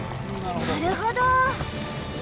なるほど！